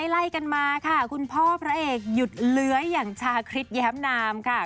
ไล่กันมาค่ะคุณพ่อพระเอกหยุดเลื้อยอย่างชาคริสแย้มนามค่ะ